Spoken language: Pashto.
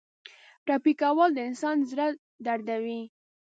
ټپي کول د انسان زړه دردوي.